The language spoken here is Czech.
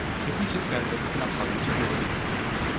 Všechny české texty napsal Jiří Dědeček.